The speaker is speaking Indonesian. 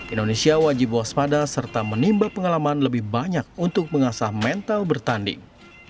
indonesia wajib waspada serta menimbal pengalaman lebih banyak untuk mengasah mental bertanding